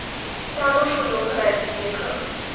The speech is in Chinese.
大多数游客来自捷克。